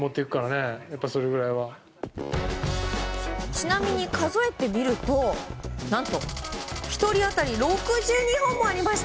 ちなみに数えてみると何と１人当たり６２本もありました。